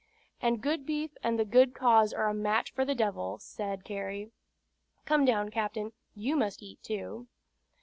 "And good beef and the good cause are a match for the devil," said Cary. "Come down, captain; you must eat too."